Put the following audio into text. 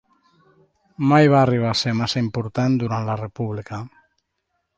Mai va arribar a ser massa important durant la república.